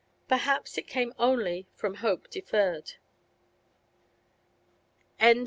Perhaps it came only of hope deferred.